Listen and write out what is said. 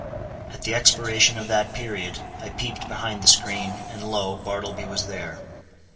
At the expiration of that period, I peeped behind the screen, and lo! Bartleby was there.